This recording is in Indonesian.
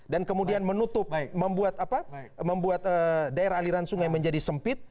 dan kemudian menutup membuat daerah aliran sungai menjadi sempit